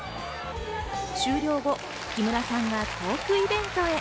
終了後、木村さんがトークイベントへ。